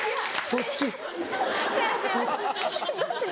そっち？